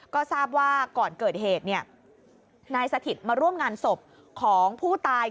ก็ทราบว่าก่อนเกิดเหตุนายสถิตมาร่วมงานศพของผู้ตาย